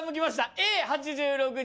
Ａ８６人。